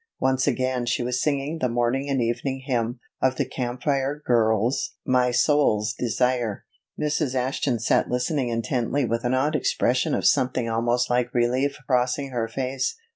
Once again she was singing the morning and evening hymn of the Camp Fire Girls' "My Soul's Desire." Mrs. Ashton sat listening intently with an odd expression of something almost like relief crossing her face.